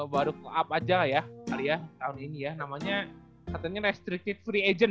baru cow up aja ya kali ya tahun ini ya namanya katanya restricted free agent